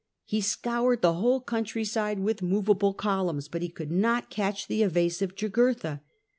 He scoured the whole country side with movable columns, but he could not catch the evasive Jugurtha.